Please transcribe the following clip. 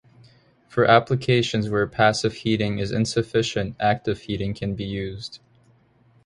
For applications where passive heating is insufficient, active heating can be used.